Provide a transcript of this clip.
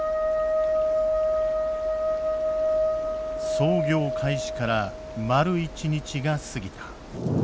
操業開始から丸一日が過ぎた。